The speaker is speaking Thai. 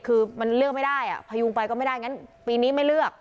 คือมันเลือกไม่ได้พยุงไปก็ไม่ได้งั้นปีนี้ไม่เลือก